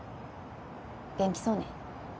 元気そうね。